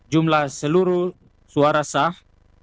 jumlah seluruh suara sah